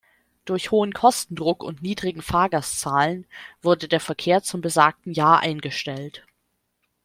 Durch hohen Kostendruck und niedrigen Fahrgastzahlen wurde der Verkehr zum besagten Jahr eingestellt.